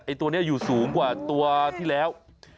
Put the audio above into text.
ตัวนี้อยู่สูงกว่าตัวที่แล้ว